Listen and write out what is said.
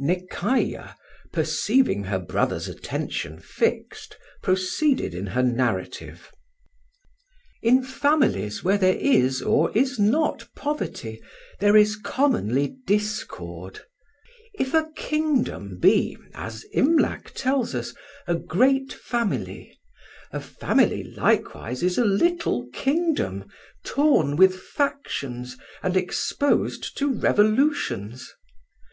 NEKAYAH, perceiving her brother's attention fixed, proceeded in her narrative. "In families where there is or is not poverty there is commonly discord. If a kingdom be, as Imlac tells us, a great family, a family likewise is a little kingdom, torn with factions and exposed to revolutions.